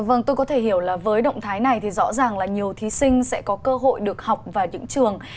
vâng tôi có thể hiểu là với động thái này thì rõ ràng là nhiều thí sinh sẽ có cơ hội được học vào những trường